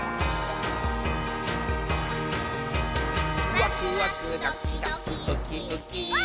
「ワクワクドキドキウキウキ」ウッキー。